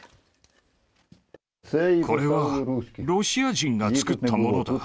これはロシア人が作ったものだ。